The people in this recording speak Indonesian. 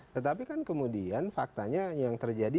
tetapi kan kemudian faktanya yang terjadi